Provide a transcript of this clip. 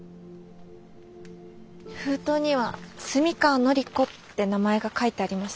封筒には「澄川紀子」って名前が書いてありました。